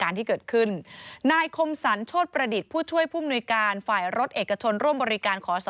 เรามาทำอาหารกิน